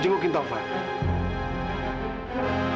jemukin jemukin kak fadil